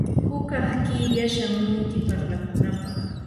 hukaq killa shamunki parlakunapaq.